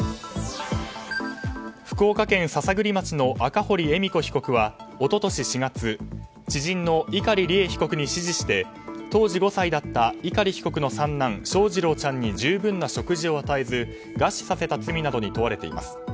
福岡県篠栗町の赤堀恵美子被告は一昨年４月知人の碇利恵被告に指示して当時５歳だった碇被告の三男・翔士郎ちゃんに十分な食事を与えず餓死させた罪などに問われています。